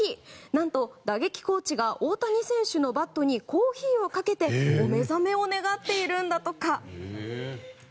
何と、打撃コーチが大谷選手のバットにコーヒーをかけてお目覚めを願っているんだとか。